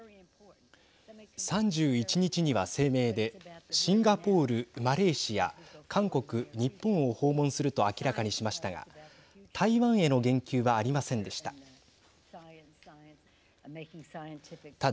３１日には声明でシンガポール、マレーシア韓国、日本を訪問すると明らかにしましたが台湾への言及はありませんでした。